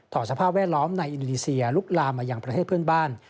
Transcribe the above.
สภาพแวดล้อมในอินโดนีเซียลุกลามมาอย่างประเทศเพื่อนบ้าน